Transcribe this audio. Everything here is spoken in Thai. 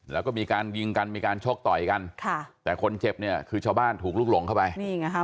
แล้วก็มีการยิงกันมีการชกต่อยกันค่ะแต่คนเจ็บเนี่ยคือชาวบ้านถูกลุกหลงเข้าไปนี่ไงค่ะ